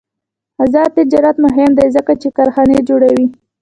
آزاد تجارت مهم دی ځکه چې کارخانې جوړوي.